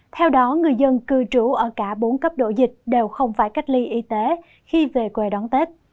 theo đó người dân cư trú ở cả bốn cấp độ dịch đều không phải cách ly y tế khi về quê đón tết